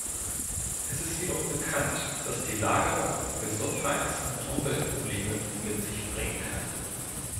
Es ist jedoch bekannt, dass die Lagerung Gesundheits- und Umweltprobleme mit sich bringen kann.